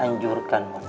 dan rasulullah anjurkanmu